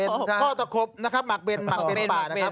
พ่อตะครบหมักเบนหมักเบนป่า